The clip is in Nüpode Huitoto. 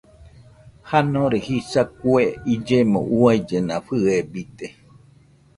Janore jisa kue illemo uaillena fɨebite